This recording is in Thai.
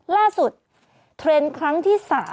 ล่าสุดเทรนด์ครั้งที่๓